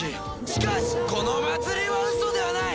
しかしこの祭りはウソではない！